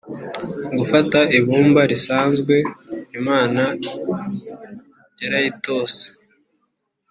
gufata ibumba risanzwe, imana yarayitose